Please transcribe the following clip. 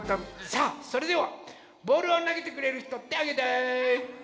さあそれではボールをなげてくれるひとてあげて！